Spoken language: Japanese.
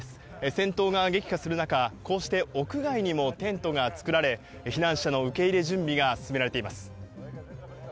戦闘が激化する中、こうして屋外にもテントが作られ、避難者の受け入れ準備が進められています。